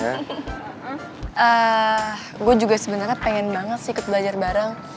gue juga sebenarnya pengen banget sih ikut belajar bareng